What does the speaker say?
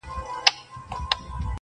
• دا دغرونو لوړي څوکي -